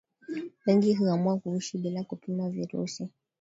wengi huamua kuishi bila kupima virusi vya ukimwi